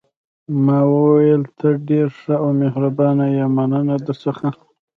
ما وویل: ته ډېره ښه او مهربانه یې، مننه درڅخه.